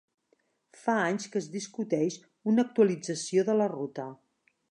Fa anys que es discuteix una actualització de la ruta.